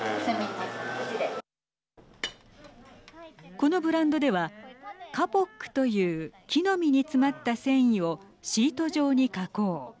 このブランドではカポックという木の実に詰まった繊維をシート状に加工。